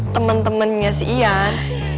temen temennya si ian